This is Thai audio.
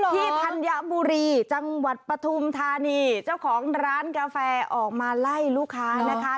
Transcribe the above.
ธัญบุรีจังหวัดปฐุมธานีเจ้าของร้านกาแฟออกมาไล่ลูกค้านะคะ